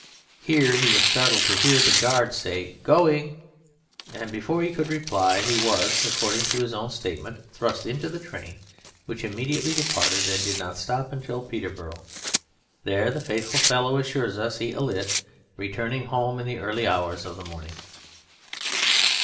Here he was startled to hear the Guard say "Going?" and before he could reply he was (according to his own statement) thrust into the train which immediately departed, and did not stop till Peterborough; there the faithful fellow assures us he alit, returning home in the early hours of the morning.